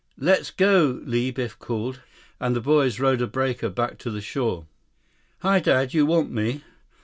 "Let's go, Li!" Biff called, and the boys rode a breaker back to the shore. "Hi, Dad. You want me?"